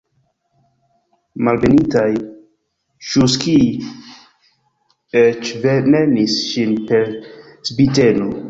Malbenitaj Ŝujskij'j eĉ venenis ŝin per zbiteno!